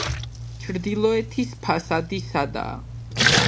ჩრდილოეთის ფასადი სადაა.